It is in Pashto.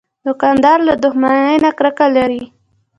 دوکاندار له دښمنۍ نه کرکه لري.